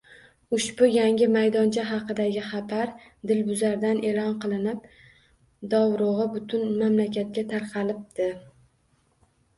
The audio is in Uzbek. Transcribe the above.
Ushbu yangi maydoncha haqidagi xabar dilbuzardan eʼlon qilinib, dovrugʻi butun mamlakatga tarqalibdi.